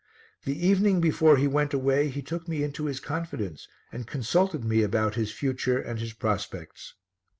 The evening before he went away he took me into his confidence and consulted me about his future and his prospects.